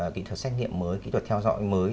kỹ thuật xét nghiệm mới kỹ thuật theo dõi mới